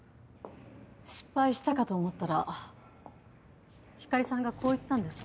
失敗したかと思ったら光莉さんがこう言ったんです。